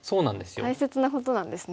大切なことなんですね。